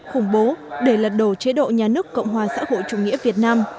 khủng bố để lật đổ chế độ nhà nước cộng hòa xã hội chủ nghĩa việt nam